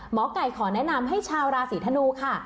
หมอไก่ขอแนะนำให้ชาวราศีธนูค่ะ